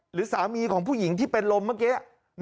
หรือสามีของผู้หญิงที่เป็นลมเมื่อกี้